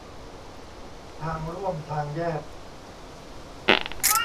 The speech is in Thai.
ทางร่วมทางแยก